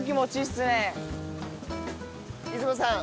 出雲さん